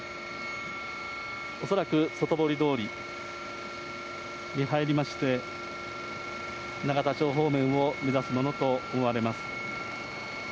恐らく外堀通りに入りまして、永田町方面を目指すものと思われます。